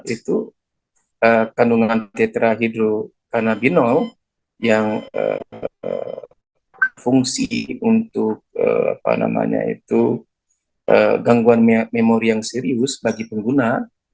itu kandungan tetera hidrokanabinol yang fungsi untuk gangguan memori yang serius bagi pengguna